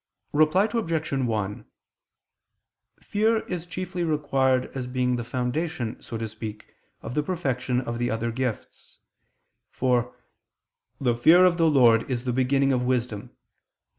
Reply Obj. 1: Fear is chiefly required as being the foundation, so to speak, of the perfection of the other gifts, for "the fear of the Lord is the beginning of wisdom" (Ps.